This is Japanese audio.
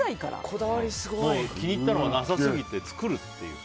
気に入ったのがなさすぎて作るっていう。